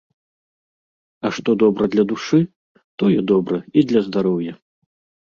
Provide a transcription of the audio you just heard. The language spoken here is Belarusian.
А што добра для душы, тое добра і для здароўя.